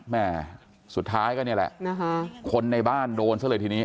แม่สุดท้ายก็นี่แหละนะคะคนในบ้านโดนซะเลยทีนี้